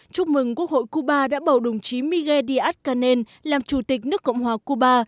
chúc mừng quốc hội cuba đã bầu đồng chí miguel díaz canel làm chủ tịch nước cộng hòa cuba